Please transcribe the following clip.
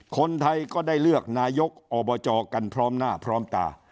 คนไทยก็ได้เลือกนายกอบจกันพร้อมหน้าพร้อมตา